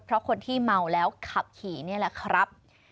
เพราะคนที่เมาแล้วขับขี่นี่แหละครับ